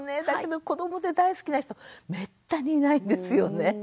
だけど子どもで大好きな人めったにいないんですよね。